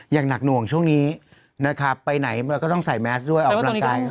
อย่างหนักหน่วงช่วงนี้นะครับไปไหนเราก็ต้องใส่แมสด้วยออกกำลังกาย